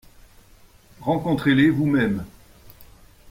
Rencontrez-les vous-même.